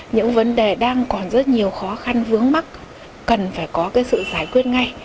những vấn đề đang còn rất nhiều khó khăn vướng mắt cần phải có cái sự giải quyết ngay